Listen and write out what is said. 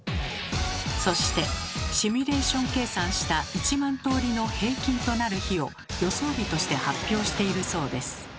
そしてシミュレーション計算した１万とおりの平均となる日を予想日として発表しているそうです。